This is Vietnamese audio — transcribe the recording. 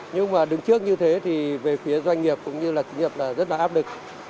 nhưng mà đứng trước như thế thì về phía doanh nghiệp cũng như là doanh nghiệp là rất là áp lực